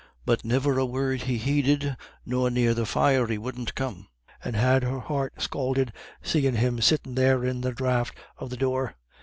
But niver a word he heeded, nor near the fire he wouldn't come, and had her heart scalded seein' him sittin' there in the draught of the door.